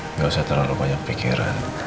nggak usah terlalu banyak pikiran